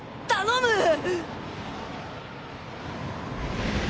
頼む！